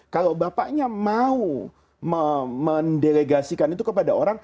kalau bapaknya mau mendelegasikan itu kepada orang